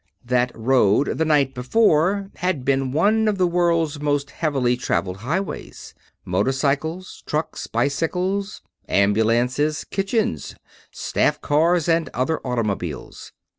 That road, the night before, had been one of the world's most heavily traveled highways. Motorcycles, trucks, bicycles. Ambulances. Kitchens. Staff cars and other automobiles.